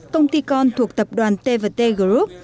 công ty con thuộc tập đoàn t t group